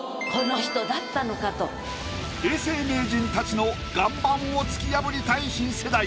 永世名人たちの岩盤を突き破りたい新世代。